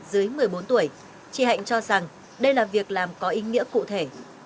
dưới một mươi bốn tuổi chị hạnh cho rằng đây là việc làm có ý nghĩa cụ thể